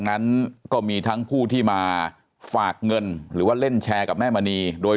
นั้นก็มีทั้งผู้ที่มาฝากเงินหรือว่าเล่นแชร์กับแม่มณีโดย